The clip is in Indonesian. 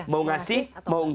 mau ngasih mau gak